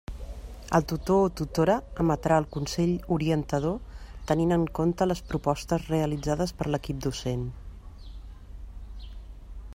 El tutor o tutora emetrà el consell orientador, tenint en compte les propostes realitzades per l'equip docent.